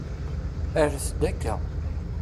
Rret-d akka.